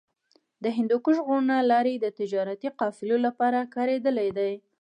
د هندوکش غرونو لارې د تجارتي قافلو لپاره کارېدلې دي.